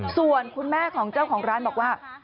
ส่วนคุณแม่ของเจ้าของร้านบอกว่า